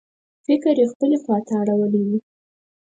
فکر یې خپلې خواته اړولی و.